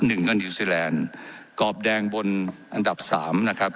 หนึ่งกันยูซิแลนด์กรอบแดงบนอันดับสามนะครับ